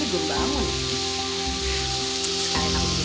sekalian aku bikin kopi aja deh